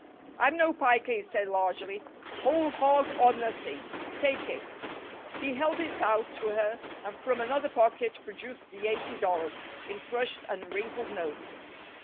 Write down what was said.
"I'm no piker," he said largely. "Whole hog or nothing. Take it." He held it out to her, and from another pocket produced the eighty dollars, in crushed and wrinkled notes.